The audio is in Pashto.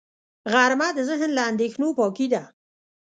غرمه د ذهن له اندېښنو پاکي ده